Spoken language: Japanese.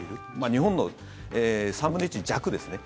日本の３分の１弱ですね